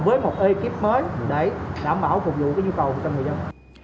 mình làm với một ekip mới để đảm bảo phục vụ cái nhu cầu của các người dân